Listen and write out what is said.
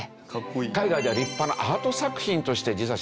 海外では立派なアート作品として実は浸透している。